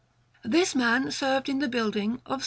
This man served in the building of S.